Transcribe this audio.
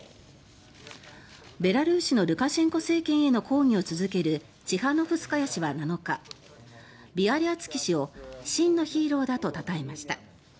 ベラルーシのルカシェンコ政権への抗議を続けるチハノフスカヤ氏は７日ビアリアツキ氏を真のヒーローだとたたえました。